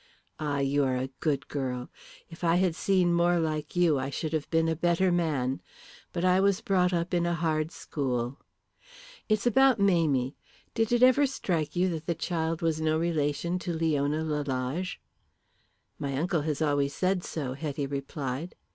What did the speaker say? "Ah, you are a good girl. If I had seen more like you I should have been a better man. But I was brought up in a hard school. It's about Mamie. Did it ever strike you that the child was no relation to Leona Lalage?" "My uncle has always said so," Hetty replied.